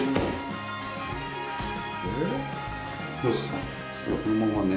どうですか？